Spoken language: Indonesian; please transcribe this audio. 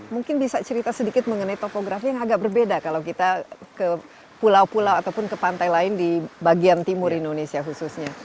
mungkin bisa cerita sedikit mengenai topografi yang agak berbeda kalau kita ke pulau pulau ataupun ke pantai lain di bagian timur indonesia khususnya